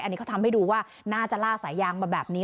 อันนี้เขาทำให้ดูว่าน่าจะล่าสายยางมาแบบนี้